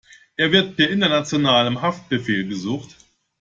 Er wird per internationalem Haftbefehl gesucht.